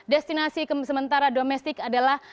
destinasi sementara domestik adalah